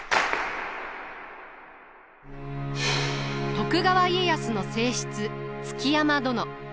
徳川家康の正室築山殿。